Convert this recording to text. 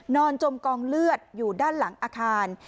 จมกองเลือดอยู่ด้านหลังอาคาร